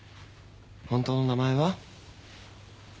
本当の名前は？